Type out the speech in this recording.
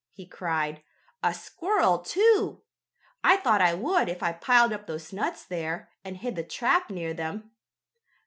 he cried. "A squirrel, too! I thought I would if I piled up those nuts there, and hid the trap near them.